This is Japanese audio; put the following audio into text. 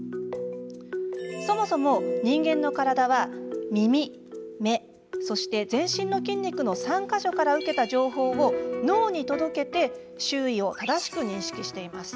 そもそも人間の体は耳、目、全身の筋肉の３か所から受けた情報を脳に届け周囲を正しく認識しています。